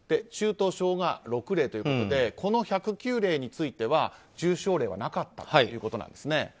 中等症が６例ということでこの１０９例については重症例はなかったということなんですね。